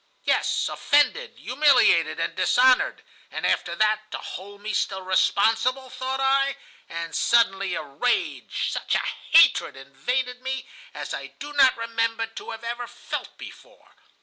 "'Yes, offended, humiliated, and dishonored, and after that to hold me still responsible,' thought I, and suddenly a rage, such a hatred invaded me as I do not remember to have ever felt before.